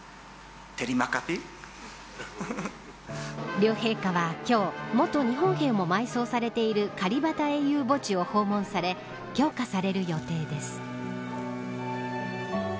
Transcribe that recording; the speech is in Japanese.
両陛下は今日元日本兵も埋葬されているカリバタ英雄墓地を訪問され供花される予定です。